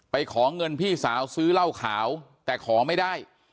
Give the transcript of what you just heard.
ขอเงินพี่สาวซื้อเหล้าขาวแต่ขอไม่ได้